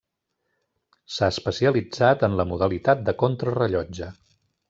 S'ha especialitzat en la modalitat de contrarellotge.